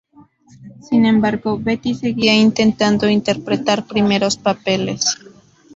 Sin embargo, Betty seguía intentando interpretar primeros papeles.